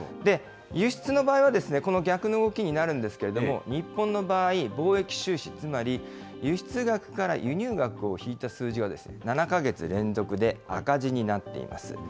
輸出の場合は、この逆の動きになるんですけれども、日本の場合、貿易収支、つまり輸出額から輸入額を引いた数字が７か月連続で赤字になっています。